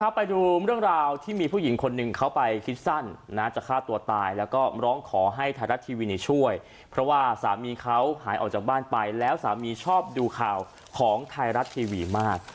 ไปดูเรื่องราวที่มีผู้หญิงคนหนึ่งเขาไปคิดสั้นนะจะฆ่าตัวตายแล้วก็ร้องขอให้ไทยรัฐทีวีช่วยเพราะว่าสามีเขาหายออกจากบ้านไปแล้วสามีชอบดูข่าวของไทยรัฐทีวีมาก